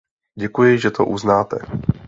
Děkuji, že to uznáte.